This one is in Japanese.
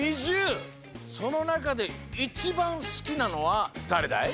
そのなかでいちばんすきなのはだれだい？